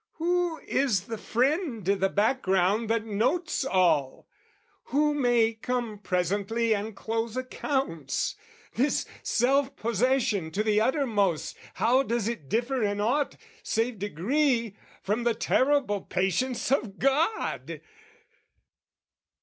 Who is the friend i' the background that notes all? Who may come presently and close accounts? This self possession to the uttermost, How does it differ in aught, save degree, From the terrible patience of God?